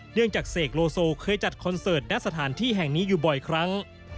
จากเสกโลโซเคยจัดคอนเสิร์ตณสถานที่แห่งนี้อยู่บ่อยครั้ง